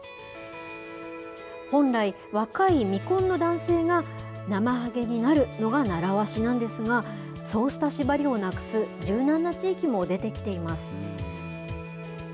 本来、若い未婚の男性が、なまはげになるのが習わしなんですが、そうした縛りをなくす柔軟な地域も出てきています。